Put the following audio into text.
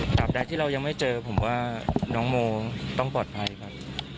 สำหรับที่เรายังไม่เจอผมว่าน้องโมต้องปลอดภัย